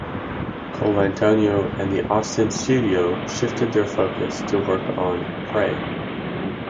Colantonio and the Austin studio shifted their focus to work on "Prey".